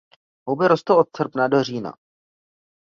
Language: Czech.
Houby rostou od srpna do října.